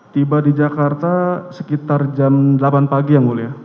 tiba di jakarta sekitar jam delapan pagi yang mulia